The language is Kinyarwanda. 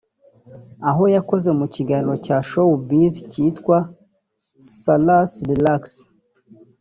aho yakoze mu kiganiro cya Showbiz cyitwa Salus Relax